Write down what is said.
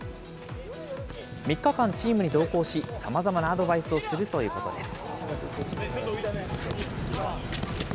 ３日間チームに同行し、さまざまなアドバイスをするということです。